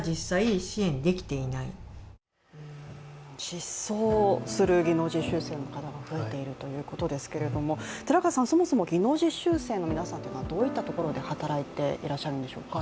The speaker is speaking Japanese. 失踪する技能実習生の方が増えているということですけれどもそもそも技能実習生の皆さんというのはどんなところで働いてらっしゃるんでしょうか